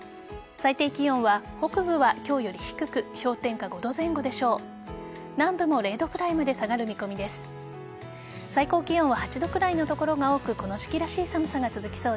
最低気温は、北部は今日より低く氷点下５度前後でしょう。